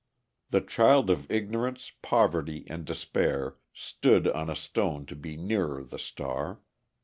The child of ignorance, poverty, and despair stood on a stone to be nearer the star.